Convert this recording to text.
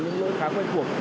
những lỗi khá quen thuộc